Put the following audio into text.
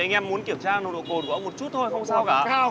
anh em muốn kiểm tra nồng độ cồn của ông một chút thôi không sao cả hao